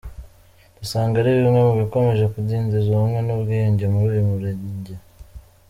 Dusanga ari bimwe mu bikomeje kudindiza ubumwe n’ubwiyunge muri uyu murenge.